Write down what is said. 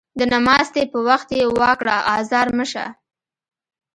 د نماستي په وخت يې وا کړه ازار مه شه